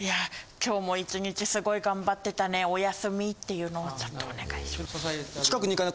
「今日も１日すごい頑張ってたねおやすみ」っていうのをちょっとお願いします。